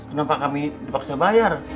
kenapa kami dipaksa bayar